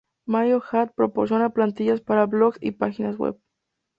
Maho i-land proporciona plantillas para blogs y páginas web.